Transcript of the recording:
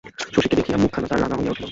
শশীকে দেখিয়া মুখখানা তার রাঙা হইয়া উঠিল।